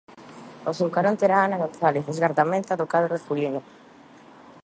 Ao seu carón terá a Ana González, exgardameta do cadro herculino.